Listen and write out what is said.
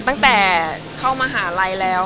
ตั้งแต่เข้ามหาลัยแล้ว